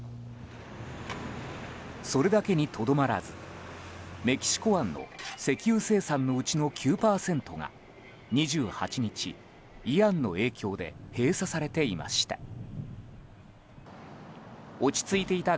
それだけにとどまらずメキシコ湾の石油生産のうちの９％が２８日、イアンの影響で閉鎖されていました。